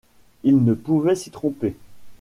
Il ne pouvait s’y tromper.